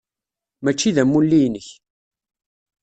Mačči d amulli-inek.